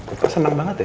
bukan senang banget ya